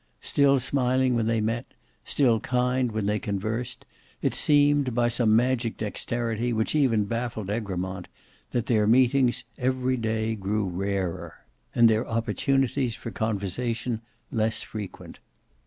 Still smiling when they met, still kind when they conversed, it seemed, by some magic dexterity which even baffled Egremont, that their meetings every day grew rarer, and their opportunities for conversation less frequent.